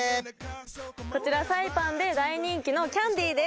こちらサイパンで大人気のキャンディーです